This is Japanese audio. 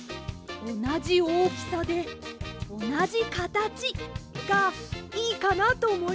おなじおおきさでおなじかたちがいいかなとおもいまして。